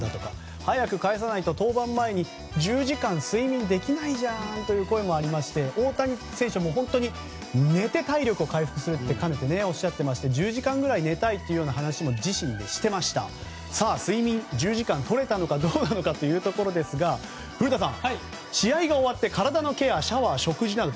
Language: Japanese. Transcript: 早く帰さないと登板前に１０時間睡眠できないじゃんという声もあって大谷選手は寝て体力を回復するとかねておっしゃっていて１０時間ぐらい寝たいとおっしゃっていましたが睡眠１０時間とれたのかどうかですが、古田さん試合が終わって体のケア、シャワー、食事など。